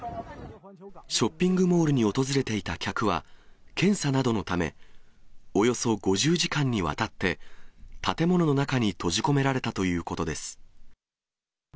ショッピングモールに訪れたいた客は、検査などのため、およそ５０時間にわたって、建物の中に閉じ込められたということです。